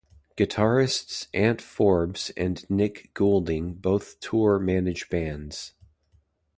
Guitarists Ant Forbes and Nick Goulding both Tour Manage bands.